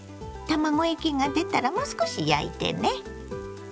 卵液が出たらもう少し焼いてね。